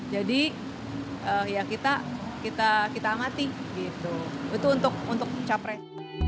jadi kita amati itu untuk capres